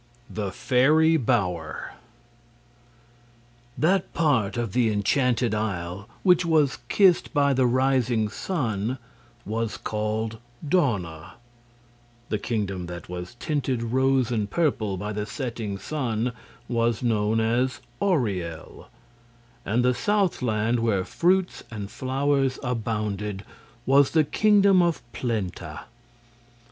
The Fairy Bower That part of the Enchanted Isle which was kissed by the rising sun was called Dawna; the kingdom that was tinted rose and purple by the setting sun was known as Auriel, and the southland, where fruits and flowers abounded, was the kingdom of Plenta.